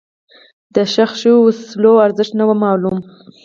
د ښخ شوو وسلو ارزښت نه و معلوم.